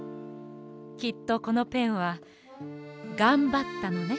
きっとこのペンはがんばったのね。